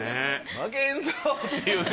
負けへんぞっていうね。